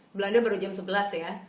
belanda baru jam sebelas ya